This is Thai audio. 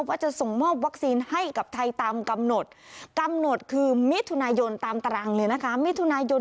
ว่าจะส่งมอบวัคซีนให้กับไทยตามกำหนดกำหนดคือมิถุนายนตามตรังเลยนะคะมิถุนายน